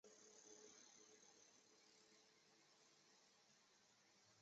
与中国人民解放军国防大学友好交往关系。